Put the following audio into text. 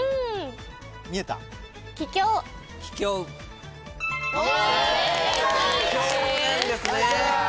「ききょう」なんですね。